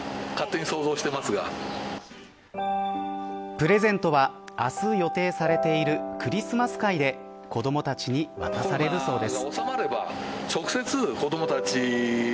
プレゼントは明日、予定されているクリスマス会で、子どもたちに渡されるそうです。